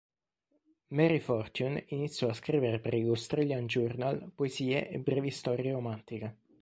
Mary Fortune iniziò a scrivere per l"'Australian" "Journal" poesie e brevi storie romantiche.